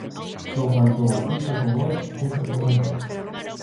Só faltou á cita co gol César Carballeira.